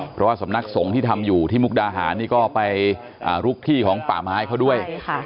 เพราะว่าสำนักสงฆ์ที่ทำอยู่ที่มุกดาหารนี่ก็ไปลุกที่ของป่าไม้เขาด้วย